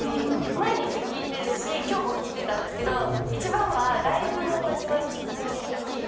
毎日聴いてるし今日も聴いてたんですけど一番はライブの始まる直前に聴いてます。